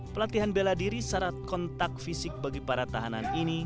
pelatihan bela diri syarat kontak fisik bagi para tahanan ini